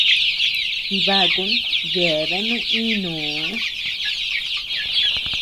Jibakun yeabenu ínuu.